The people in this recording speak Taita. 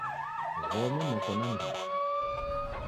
W'omi moko na ndighi.